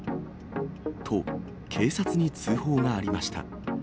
と、警察に通報がありました。